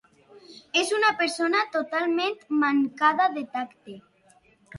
És una persona totalment mancada de tacte.